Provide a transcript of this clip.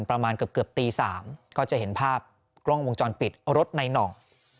ประมาณเกือบตี๓ก็จะเห็นภาพกล้องวงจรปิดรถในหน่อง